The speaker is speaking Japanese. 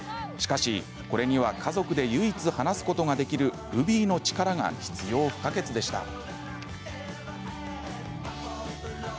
しかし、これには家族で唯一、話すことができるルビーの力が必要不可欠でした。